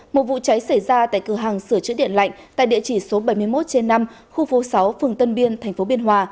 một vụ cháy xảy ra tại cửa hàng sửa chữa điện lạnh tại địa chỉ số bảy mươi một trên năm khu phố sáu phường tân biên tp biên hòa